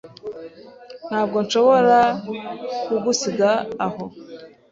Ntabwo nashoboraga kugusiga aho.